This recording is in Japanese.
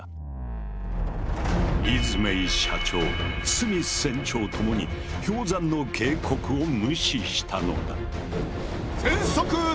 イズメイ社長スミス船長ともに氷山の警告を無視したのだ。